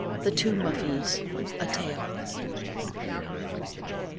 THE TWO "MUFFIES." A TALE.